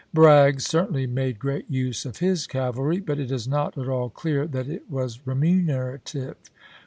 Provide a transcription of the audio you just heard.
Bragg certainly made great use of his cavalry, but it is not at all clear that it was remunerative.